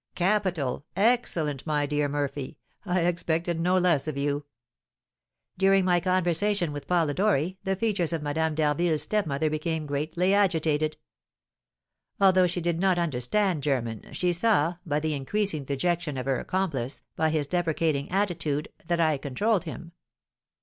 '" "Capital! Excellent! my dear Murphy. I expected no less of you." "During my conversation with Polidori, the features of Madame d'Harville's stepmother became greatly agitated. Although she did not understand German, she saw, by the increasing dejection of her accomplice, by his deprecating attitude, that I controlled him.